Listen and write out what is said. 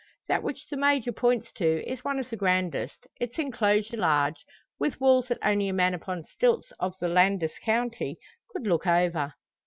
That which the Major points to is one of the grandest, its enclosure large, with walls that only a man upon stilts of the Landes country could look over.